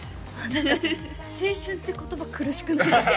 何か青春って言葉苦しくないですか？